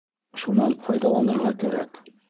Шунан файҙаланырға кәрәк.